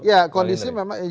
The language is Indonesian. ya kondisi memang